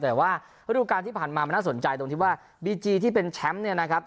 แต่ว่าฤดูการที่ผ่านมามันน่าสนใจตรงที่ว่าบีจีที่เป็นแชมป์เนี่ยนะครับ